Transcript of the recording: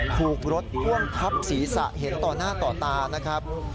ถูกรถพ่วงทับศีรษะเห็นต่อหน้าต่อตานะครับ